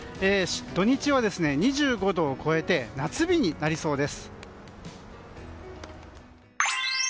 土日は２５度を超えて夏日になりそうです。